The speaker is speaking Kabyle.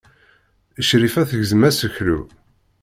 Crifa tegzem aseklu.